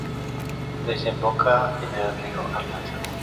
Desemboca en el río Arlanza.